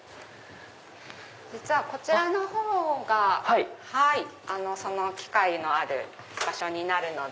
実はこちらの方がその機械のある場所になるので。